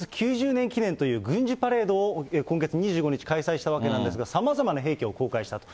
９０年記念という軍事パレードを今月２５日、開催したわけなんですが、さまざまな兵器を公開したと。